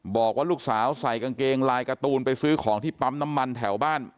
บอกว่าลูกสาวใส่กางเกงลายการ์ตูนไปซื้อของที่ปั๊มน้ำมันแถวบ้าน